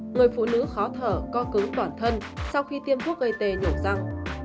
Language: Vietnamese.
người phụ nữ khó thở co cứng toàn thân sau khi tiêm thuốc gây tê nhổ răng